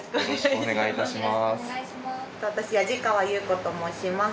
お願いいたします。